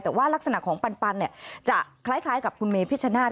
แต่ว่ารักษณะของปันจะคล้ายกับคุณเมพิชชนาธิ